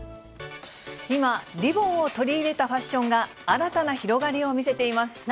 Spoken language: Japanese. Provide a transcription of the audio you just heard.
今、リボンを取り入れたファッションが新たな広がりを見せています。